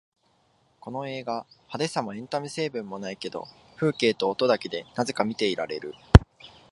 この映画、派手さもエンタメ成分もないけど風景と音だけでなぜか見ていられる